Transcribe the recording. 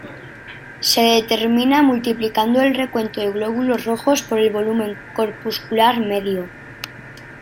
Se determina multiplicando el recuento de glóbulos rojos por el volumen corpuscular medio.